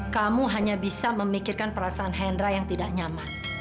kamu hanya bisa memikirkan perasaan hendra yang tidak nyaman